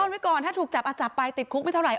ไว้ก่อนถ้าถูกจับไปติดคุกไม่เท่าไห